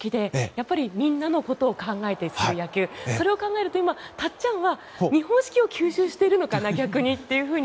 やっぱり、みんなのことを考えてする野球それを考えると今、たっちゃんは日本式を吸収しているのかな？